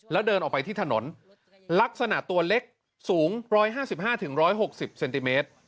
แล้วเดินออกไปที่ถนนลักษณะตัวเล็กสูงร้อยห้าสิบห้าถึงร้อยหกสิบเซนติเมตร